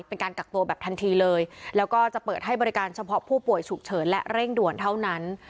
เป็นการกักตัวแบบทันทีเลยแล้วก็จะเปิดให้บริการเฉพาะผู้ป่วยฉุกเฉินและเร่งด่วนเท่านั้น